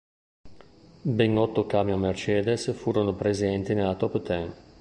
Ben otto camion Mercedes furono presenti nella "top ten".